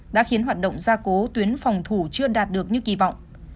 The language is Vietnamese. đã khiến hoạt động gia cố tuyến phòng thủ chưa đạt được như kỳ vọng